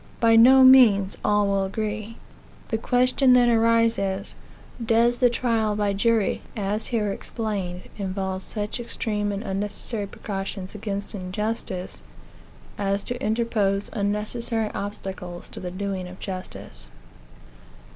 By no means, all will agree. The question then arises Does the trial by jury, as here explained, involve such extreme and unnecessary precautions against injustice, as to interpose unnecessary obstacles to the doing of justice?